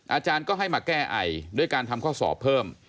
อาจารย์ก็ให้มาแก้ไอด้วยการทำข้อสอบเพิ่ม